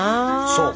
そう！